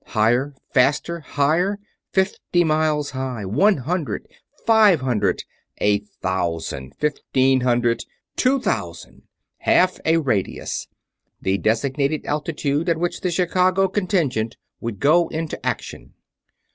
Higher! Faster! Higher! Fifty miles high. One hundred ... five hundred ... a thousand ... fifteen hundred ... two thousand! Half a radius the designated altitude at which the Chicago Contingent would go into action.